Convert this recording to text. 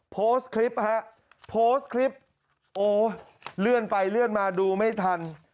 โพสต์คลิปฮะโพสต์คลิปโอ้เลื่อนไปเลื่อนมาดูไม่ทัน